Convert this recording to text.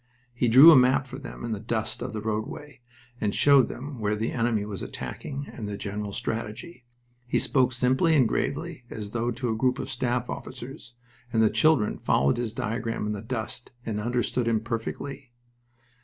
He drew a map for them in the dust of the roadway, and showed them where the enemy was attacking and the general strategy. He spoke simply and gravely, as though to a group of staff officers, and the children followed his diagram in the dust and understood him perfectly.